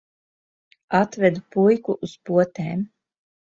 Atvedu puiku uz potēm.